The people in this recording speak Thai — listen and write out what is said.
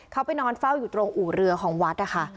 เขาไปนอนเฝ้าอยู่ตรงอู่เรือของวัดนะคะ